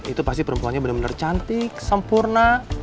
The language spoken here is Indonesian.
itu pasti perempuannya bener bener cantik sempurna